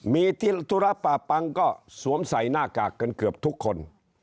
มีที่ธุระป่าปังก็สวมใส่หน้ากากกันเกือบทุกคน